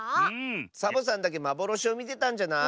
サボさんだけまぼろしをみてたんじゃない？